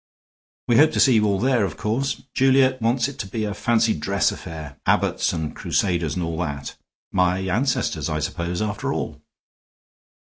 We hope to see you all there, of course. Juliet wants it to be a fancy dress affair abbots and crusaders and all that. My ancestors, I suppose, after all."